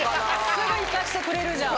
すぐ行かせてくれるじゃん。